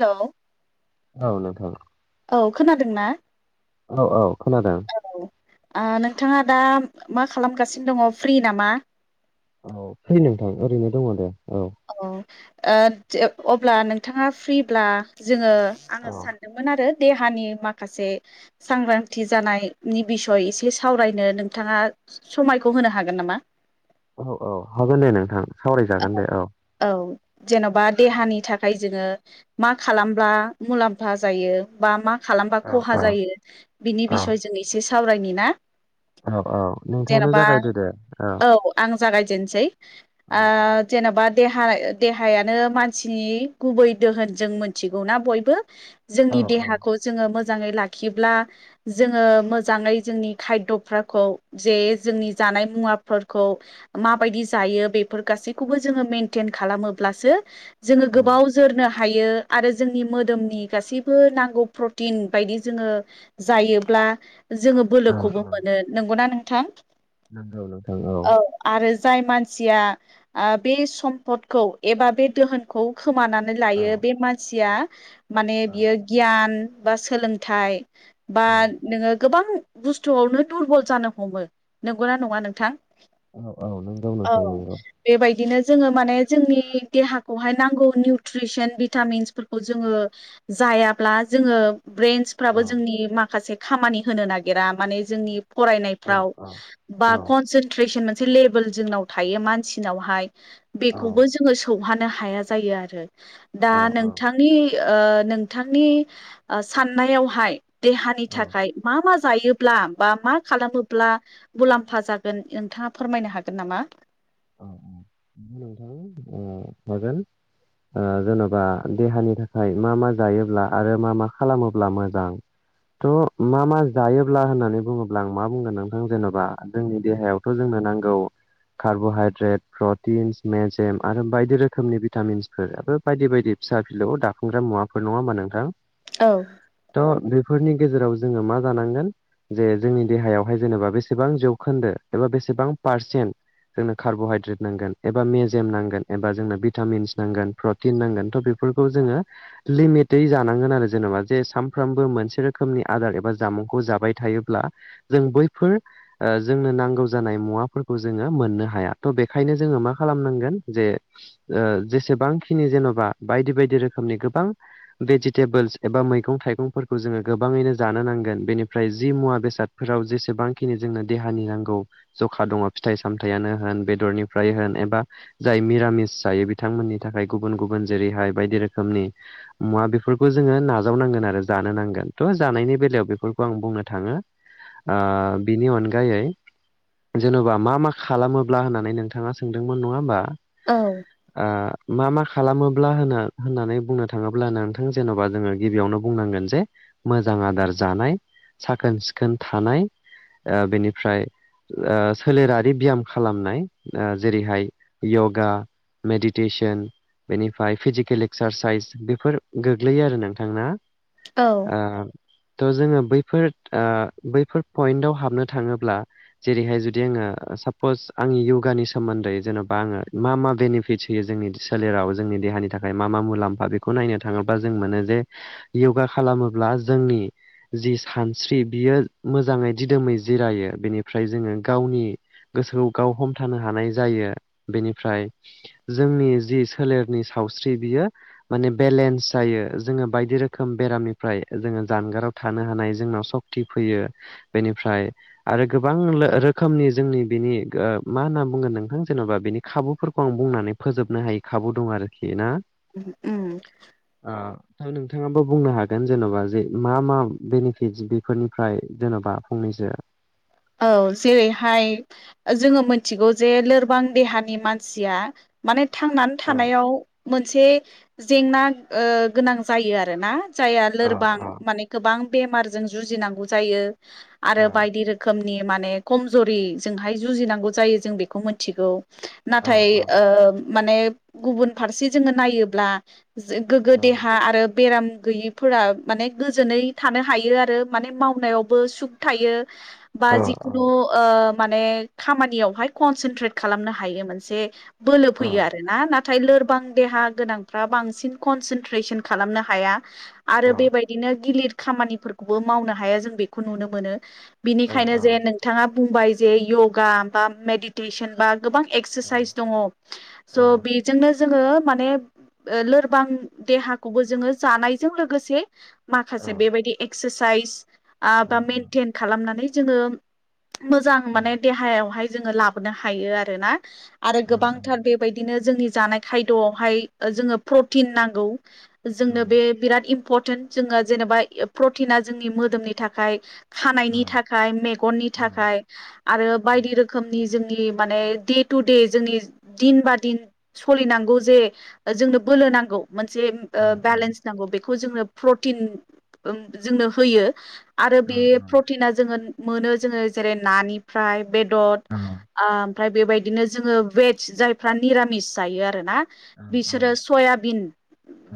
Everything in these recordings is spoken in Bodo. हेलौ औ नोंथां औ खोनादोंना? औ औ खोनादों औ आ नोंथांङा दा मा खालामगासिनो दङ फ्रि नामा? औ फ्रि नोंथां ओरैनो दङ दे। औ ओ अब्ला नोंथांङा फ्रिब्ला जोङो औ आंङो सानदोंमोन आरो देहानि माखासे सांग्रांथि जानायनि बिसय एसे सावरायनो नोंथांङा समायखौ होनो हागोन नामा? औ औ हागोन दे नोंथां सावरायजागोन दे औ। जेन'बा देहानि थाखाय जोङो मा खालामब्ला मुलाम्फा जायो बा मा खालामबा औ खहा औ जायो बिनि बिसय जों एसे सावरायनि ना? औ औ नोंथाङानो जेन'बा जागायदो दे औ। जागायजेनसै ओ औ जेन'बा देहा-देहायानो मानसिनि गुबै दोहोन जों मोनथिगौ ना बयबो जोंनि औ देहाखौ जों मो जाङै लाखिब्ला जोंङो मोजाङै जोंनि खायदफोरखो जे जंनि जा नाय मुबा फोरखौ माबादि जायो बे बेफोर गासैखौबो जोङो मेनटेइन खालामोब्लासो जोंङो औ गोबाव जोरनो हायो आरो जोंनि मोदोमनि गासैबो नांगौ प्रटिन बायदि जोङो जायोब्ला जोङो औ बोलोखौबो औ मोनो नंगौना नोंथां? नंगौ नोंथां औ जाय मानसिया ओ बे सम्पदखौ एबा बे दोहोनखौ खोमानानै लायो बे मानसिया माने औ बियो गियान बा सोलोंथाइ बा औ नोङो गोबां बुस्थुआवनो दुरबल जानो हमो नंगौना नङा नोंथां? औ औ नोंगौ औ नोंथां नोंगौ। बेबायदिनो जोङो माने जोंनि देहाखौहाय नांगौ निउट्रिसन भिटामिन्सफोरखौ जोङो जायाब्ला जोङो ब्रेन्स औ फाबो जोंनि माखासे खामानि होनो नागिरा माने जोंनि औ फरायनायफ्राव औ औ बा कनसेन्ट्रेसन मोनसे लेभेल जोंनाव थायो मानसिनावहाय औ बेखौबो जोङो सौहानो हाया जायो आरो दा औ औ नोंथांनि ओ नोंथांनि साननायावहाय देहानि थाखाय मा मा जायोब्ला बा मा खालामोब्ला मुलाम्फा जागोन नोंथाङा फोरमायनो हागोन नामा? [inaudible] ओ हागोन। ओ जेन'बा देहानि थाखाय मा मा जायोब्ला आरो मा मा खालामोब्ला मोजां। थ' मा मा जायोब्ला होननानै बुङोब्ला आं मा बुंगोन नोंथां जेन'बा जोंनि देहायावथ' जों नो नांगौ का रब'हाइद्रेट प्रटिन्स मेजेम आरो बायदि रोखोमनि भिटामिन्सफोर बायदि बायदि फिसा फि खौ दाफुंग्रा मुवाफोर नङा होनबा नोंथां। औ थ' बेफोरनि गेजेराव जोङो मा जानांगोन जे जोंनि देहायावहाय जेनेबा बेसेबां जौखोन्दो एबा बेसेबां पारसेन्ट जोंनो कार्ब'हाइद्रेट नांगोन एबा मेजेम नांगोन एबा जोंनो भिटामिन्स नांगोन प्रटिन नांगोन थ' बेफोर खौ जोङो लिमिटै जानांगोन आरो जेनेबा जे सानफ्रोमबो मोनसे रोखोमनि आदार एबा जामुं खौ जाबाय थायोब्ला जों बैफोर ओ जोंनो नांगौ जानाय मुवाफोरखौ जोङो मोननो हाया थ' बेखायनो जोङो मा खालामनांगोन जे ओ जेसेबांखिनि जेन'बा बायदि बायदि रोखोमनि गोबां भेजिटेबोल्स एबा मैगं थाइगंफोरखौ जोङो गोबाङैनो जानो नांगोन बेनि फ्राय जि मुवा बेसादफोराव जेसेबांखिनि जोंनो देहानि नांगौ जखा दङ फिथाइ सामथायानो होन बेदरनिफ्राय होन एबा जाय मिरामिस जायो बिथांमोननि थाखाय गुबुन गुबुन जेरैहाय बायदि रोखोमनि मुवा बेफोरखौ जोङो नाजावनांगोन आरो जानो नांगोन थ' जानायनि बेलायाव बेफोरखौ आं बुंनो थाङो ओ बेनि अनगायै जेनबा मा मा खालामो ब्ला होननानै नोंथाङा सोंदोंमोन नङा होमबा औ ओ मा मा खालामोब्ला होनो होननानै बुंनो थाङोब्ला नोंथां जेन'बा जोङो गिबियावनो बुंनांगोन जे मोजां आदार जानाय साखोन सिखोन थानाय ओ बेनिफ्राय ओ सोलेरारि बियाम खालामनाय जेरैहाय यगा मेडिटेसन बेनिफ्राय फिजिकेल एक्सारसाइस बेफोर गोग्लैयो आरो नोंथांना औ ओ थ' जोङो बैफोर ओ बैफोर पइन्टआव हाबनो थाङोब्ला जेरैहाय जुदि आङो सापस आंनि योगानि सोमोन्दै जेन'बा आङो मा मा बेनिफिट्स होयो जोंनि सोलेराव जोंनि देहानि थाखाय मा मा मुलाम्फा बेखौ नायनो थाङोबा जों मोनो जे योगा खालामोब्ला जोंनि जि सानस्रि बियो मोजाङै दिदोमै जिरायो बेनिफ्राय जोङो गावनि गोसोखौ गाव हमथानो हानाय जायो बेनिफ्राय जोंनि जि सोलेरनि साव स्रि बियो माने बेलेन्स जायो जोङो बायदि रोखोम बेरामनिफ्राय जोङो जानगाराव थानो हानाय जोंनाव सक्ति फैयो बेनिफ्राय आरो गोबां रोखोमनि जोंनि बेनि ओ मा होनना बुंगोन नोंथां जेन'बा बिनि खाबुफोरखौ आं बुंनानै फोजोबनो हायि खाबु दं आरोखि ना। उम नोंथाङाबो बुंनो हागोन जेन'बा जे मा मा बेनिफिट बेफोरनिफ्राय जेन'बा फंनैसो जो औ जेरैहाय जोङो मोनथिगौ जे लोरबां देहानि मानसिया माने थांनानै औ थानायाव मोनसे जेंना ओ गोनां जायो आरोना जाया औ लोरबां औ माने गोबां बेमारजों जुजिनांगौ जायो औ आरो बायदि रोखोम नि माने कमजरिजोंहाय जुजिनांगौ जायो जों बेखौ मोनथिगौ औ नाथाय ओ माने गुबुन फारसे जोङो नायोब्ला जो गोग्गो देहा आरो बेराम गैयिफोरा माने गोजोनै थानो हायो आरो माने मावनायावबो सुख थायो। बा औ औ जिखुनु ओ माने खामानियावहाय कनसेनट्रेट खालामनो हायो मोनसे बोलो औ फैयो आरो ना ना थाय लोरबां देहा गोनांफ्रा बांसिन कनसेनट्रेसन खालामनो हाया। आरो बेबायदिनो गिलिर खामानिफोरखौबो मावनो हाया जों बेखौ नुनो मोनो बेनि खायनो जे नोंथाङा बुंबाय जे य'गा बा मेडिटेसन बा गोबां एक्सारसाइस दङ स' बेजोंनो जोङो माने ओ लोरबां देहाखौबो जोङो जानायजों लोगोसे माखासे बेबायदि एक्सारसाइस आ बा मेइेनटेन खालामनानै जोङो मोजां माने देहायावहाय जोङो लाबोनो हायो आरोना आरो गोबांथार बेबायदिनो जोंनि जानाय थायद'आवहाय जोङो प्रटिन नांगौ जोंनो बे बिराद इम्परटेन्ट जोङो जेनेबा प्रटिना जोंनि मोदोमनि थाखाय खानायनि था खाय मेगननि थाखाय आरो बायदि रोखोमनि जोंनि माने दे थु दे जोंनि दिन बा दिन सलिनांगौ जे जों बोलो नांगौ मोनसे ओ बेलेन्स नांगौ बेखौ जोंनो प्रटिन जोंनो ओं होयो आरो बे प्रटिना जोङो मोनो जोङो जेरै नानिफ्राय बेदर आ ओमफ्राय बेबायदिनो जोङो भेेज जायफ्रा निरामिस जायो आरो ना बिसोरो सयाबिन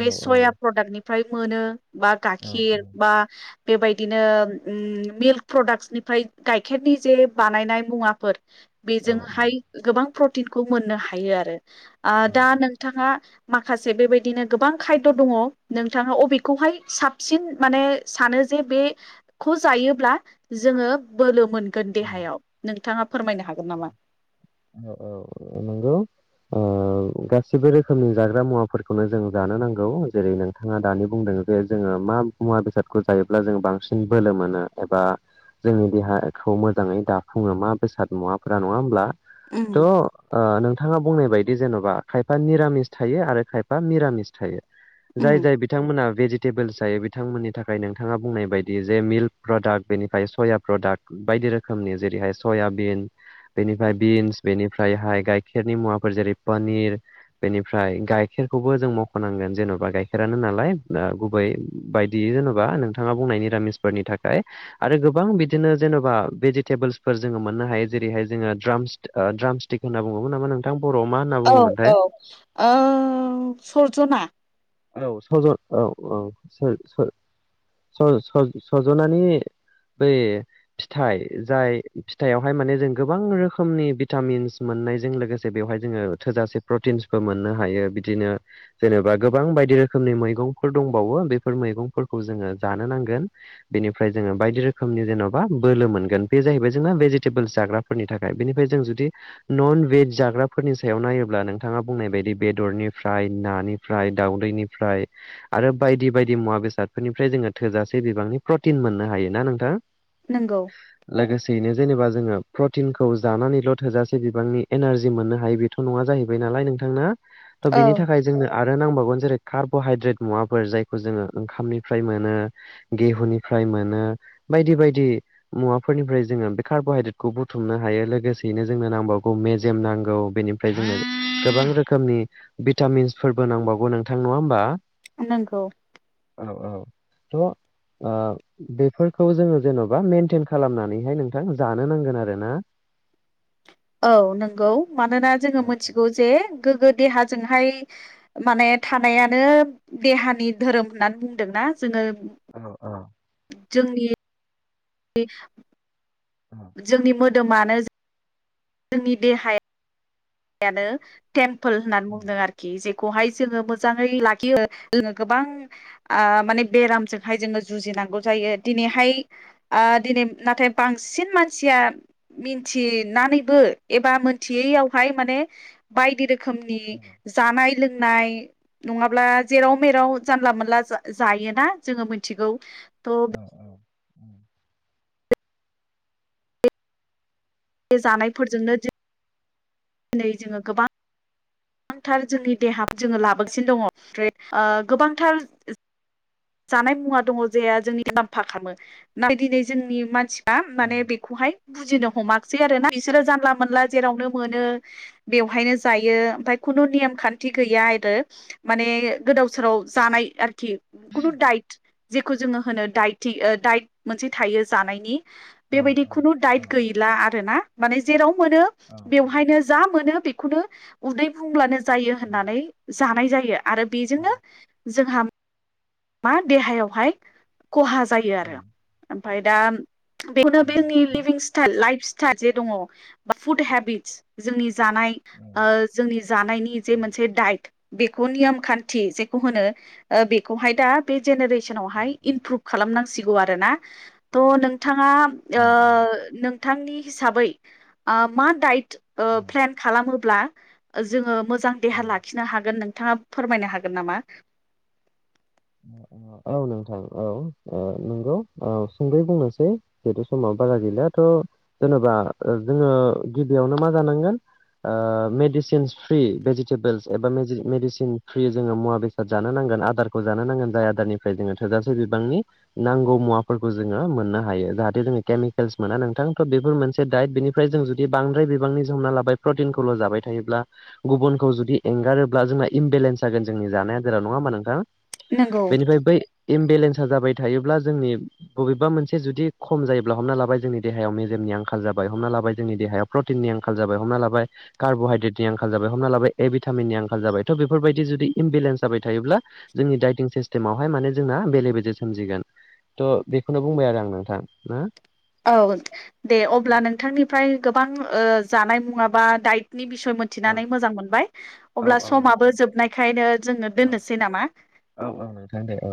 बे सया प्रडाक्टनिफ्राय मोनो बा गाइखेर बा बेबायदिनो मिल्क प्रडाक्सनिफ्राय गाइखेरनि जे बानायनाय मुवाफोर बेजोंहाय गोबां प्र तिनखौ मोननो हायो आरो आ दा नोंथाङा माखासे बेबायदिनो गोबां खायद' दङ नोंथाङा अबेखौहाय साबसिन माने सानो जे बेखौ जायोब्ला जोङो बोलो मोनगोन देहायाव नोंथाङा फोरमायनो हागोन नामा? औ औ औ नोंगौ अ गासिबो रोखोमनि जाग्रा मुवाफोरखौनो जों जानो नांगौ जेरै नोंथाङा दानि बुंदों। बे जोङो मा मुवा बेसादखौ जायोब्ला जोङो बांसिन बोलो मोनो एबा जोंनि देहाखौ मोजाङै दाफुङो मा बेसाद मुवाफोरा नङा होमब्ला उम त' आ नों थाङा बुंनाय बायदि जेन'बा खायफा निरामिस थायो आरो खायफा मिरामिस थायो। जाय उम जाय बिथांमोना भेजिटेबोल्स जायो बिथांमोननि थाखाय नोंथाङा बुंनाय बायदि जे मिल्क प्रडाक्ट बेनिफ्राय सया प्रडाक्ट बायदि रोखोमनि जेरैहाय सयाबिन बेनि फ्राय बिन्स बेनिफ्रायहाय गाइखेरनि मुवाफोर जेरै पनिर बेनिफ्राय गाइखेरखौबो जों मख'नांगोन जेन'बा गाइखेरानो नालाय गुबै बायदि जेन'बा नोंथाङा बुंनाय निरामिस फोरनि थाखाय आरो गोबां बिदिनो जेन'बा भेजिटेबोल्सफोर जोङो मोननो हायो जेरैहाय जोङो ट्रामस्त ट्रामस्तिक होनना बुङोमोन नामा नोंथां। बर'आव मा होनना औ बुङोमोनथाय? औ ओ सरजना औ सजन औ औ स-स स-स-सजनानि बै फिथाइ जाय फिथाइयावहाय माने जों गोबां रोखोमनि भिटामिन्स मो मोननाय जों लोगोसे बेवहाय जों थोजासे प्रटिनसबो मोननो हायो बिदिनो जेनेबा गोबां बायदि रोखोमनि मैगंफोर दंबावो बेफोर मैगंफोरखौ जोङो जानो नांगोन बेनिफ्राय जोङो बायदि रोखोमनि जेन'बा बोलो मोनगोन बे जाहैबाय जोंना भेजिटेबोल्स जाग्राफोरनि थाखाय बेनिफ्राय जों जुदि नन भेज जाग्राफोरनि सायाव नायोब्ला नोंथाङा बुंनाय बायदि बेदरनिफ्राय नानि फ्राय दाउदैनिफ्राय आरो बायदि बायदि मुवा बेसादफोरनिफ्राय जोङो थोजासे बिबांनि प्रटिन मो ना नोंथां नंगौ लोगोसेयैनो जेनेबा जोङो प्रटिनखौ जानानैल' थोजासे बिबांनि एनारजि मोननो हायो बेथ' नङा जाहैबाय नालाय नोंथांना थ' औ बिनि थाखाय जोंनो आरो नांबावगोन जेरै कार्ब'हाइद्रेट मुवाफोर जायखौ जोङो ओंखामनिफ्राय मोनो गेहुनिफ्राय मोनो बायदि बायदि मुवाफोरनिफ्राय जोङो बे कार्बहाइद्रेटखौ बुथुमनो हायो लोगोसे जोंनो नांबावगौ मेज नांगौ बेनिफ्राय गोबां रोखोमनि भिटामिन फोरबो नांबावगौ नोंथां। नङा होमबा? नंगौ। औ औ थ' ओ बेफोरखौ जोङो जेन'बा मेेनटेन खालामनानैहाय नोंथां जानो नांगोन आरो ना। औ नंगौ मानोना जोङो मिथिगौ जे गोगो देहाजोंहाय माने थानायानो देहानि धोरोम होननानै बुंदोंना जोङो औ औ। जोंनि दे जोंनि मोदोमानो जोंनि देहाया यानो टेम्पोल होननानै बुंदों आरोखि जे देहाखौ जोंयो मोजांयै लाखियो जों गोबां ओ माने बेरामजोंहाय जोंयो जुजि नांगौ जायो दिनैहाय नाथाय बांसिन मानसिया मिथि नानैबो एबा मोनथियैयावहाय माने बायदि रोखोमनि जानाय लोंनाय नङाब्ला जेराव मेराव जानला मोनला जायोना जोङो मिथिगौ। औ औ। बे जानायफोरजोंनो द दिनै जोङो गोबां गोबांथार जोंनि देहा जोङो लाबोगासिनो दङ ओमफ्राय गोबांथार जानाय मुवा दङ जेहा जोंनि मुलाम्फा खालामो नथाय दिनै जोंनि मानसि दा माने बेखौहाय बुजिनो हमाख जे आरोना बिसोरो जानला मोनला जेरावनो मोनो बेवहायनो जायो ओमफ्राय खुनु नेम खान्थि थि गैया आरो माने गोदाव सोराव जानाय आरोखि। खुनु दाइट जेखौ जोङो होनो दाइट मोनसे थायो जानायनि। बेबायदि खुनु दाइट गैला आरोना माने जेराव मोनो बेवहायनो जा मोनो बे उदै बुंब्लानो जायो होननानै जानाय जायो आरो बेजोंनो जोंहा मा देहायावहाय खहा जायो आरो ओमफ्राय दा बेखौनो बे जोंनि लिभिं स्टाइल लाइफ स्टाइल जे दङ बा फुड हेबिटस जोंनि जानाय जोंनि जानायनि जे मोनसे डाइट बेखौ नियम खान्थि जेखौ होनो बेखौहाय दा बे जेनेरेसनावहाय इमप्रुभ खालामनांसिगौ आरोना। थ' नों नोंथाङा नोंथांनि हिसाबै मा दाय ओ प्लेन खालामोब्ला जोङो मोजां देहा लाखिनो हागोन नोंथां फोरमायनो हागोन नामा? [inaudible] औ नोंथां औ नंगौ औ सुंदयै बुंनोसै जितु समाव बारा गैलाथ' जेन'बा जोङो गिबियावनो मा जानांगोन ओ मेडिसिनस फ्रि भेजिटेबोलस एबा मेडिसिन फ्रि जोङो मुवा बेसाद जानो नांगोन आदार मोजांआ नांगोन जाय आदारनिफ्राय जोंङो थोजासे बिबांनि नांगौ मुवाफोरखौ जोंङो मोननो हायो। जाहाथे जों केमिकेलस मोना नोंथांथ' बेफोर मोनसे दाइट बेनिफ्राय जों जुदि बांद्राय बिबांनि जों ना लाबाय प्रटिनखौल' जाबाय बाय थायोब्ला गुबुनखौ जुदि एंगारोब्ला जोंना इमबेलेन्स जागोन जोंनि जानाय आदारा। नंङा होमबा नोंथां? नंगौ बेनिफ्राय बै इमबेलेन सआ जाबाय थायोब्ला जोंनि बबेबा मोनसे जुदि खम जायोब्ला हमना लाबाय जोंनि देहायाव मेजेमनि आंखाल जाबाय हमना लाबाय जोंनि देहायाव प्रटिननि आंखाल जाबाय हमना लाबाय कार्ब'हाइद्रेटनि आंखाल जाबाय हमना लाबाय ए भिटामिननि आंखाल जाबाय थ' बेफोरबायदि जुदि इमबेलेन्स जाबाय थायोब्ला जोंनि डाइटिं सिस्टेमावहाय माने जोंना बेले बेजे सोमजिगोन। थ' बेखौनो बुंबाय आरो आं नोंथां ना। औ दे अब्ला नोंथांनिफ्राय गोबां ओ जानाय मुवा बा डाइट नि बिसय मोनथिनानै मोजां मोनबाय अब्ला समाबो जोबनायखायनो जोंङो दोननोसै नामा। औ औ नोंथां दे औ।